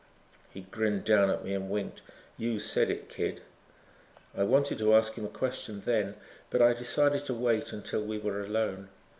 He grinned down at me and winked. "You said it, kid." I wanted to ask him a question then, but I decided to wait until we were alone.